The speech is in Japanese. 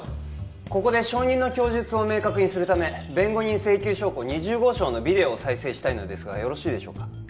ここで証人の供述を明確にするため弁護人請求証拠２０号証のビデオを再生したいのですがよろしいでしょうか？